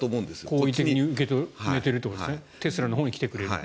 好意的に受け止めているとテスラのほうに来てくれると。